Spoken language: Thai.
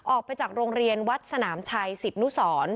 ออกไปจากโรงเรียนวัดสนามชัยสิทธนุสร